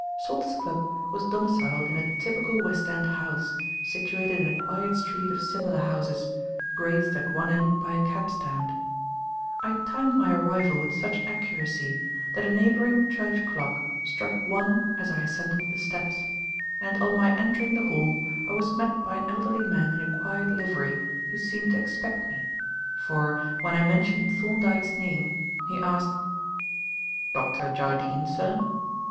Salter's Club was domiciled in a typical West End house situated in a quiet street of similar houses, graced at one end by a cabstand. I timed my arrival with such accuracy that a neighbouring church clock struck one as I ascended the steps; and on my entering the hall, I was met by an elderly man in a quiet livery who seemed to expect me, for, when I mentioned Thorndyke's name, he asked, "Dr. Jardine, sir?"